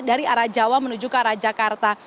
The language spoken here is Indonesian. dari arah jawa menuju ke arah jakarta